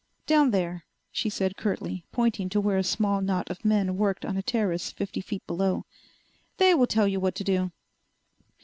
"Down there," she said curtly, pointing to where a small knot of men worked on a terrace fifty feet below. "They will tell you what to do."